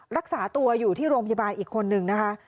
รักษาตัวอยู่ที่โรงพยาบาลอีกคนนึงนะคะ